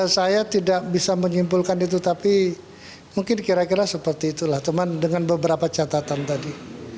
saya tidak bisa menyimpulkan itu tapi mungkin kira kira seperti itulah teman dengan beberapa catatan tadi